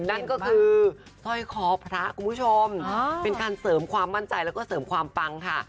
นั่นก็คือสร้อยคอพระคุณผู้ชมเป็นการเสริมความมั่นใจแล้วก็เสริมความปังค่ะ